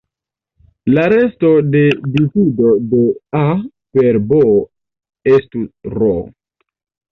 La resto de divido de "a" per "b" estu "r".